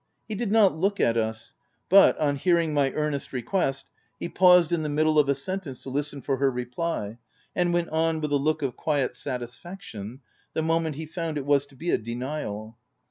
He did not look at us, but, on hearing my earnest request, he paused in the middle of a sentence to listen for her reply, and went on, with a look of quiet satisfaction the moment he found it was to be a denial.